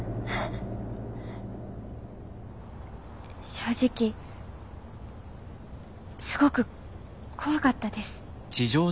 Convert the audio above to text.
正直すごく怖かったです。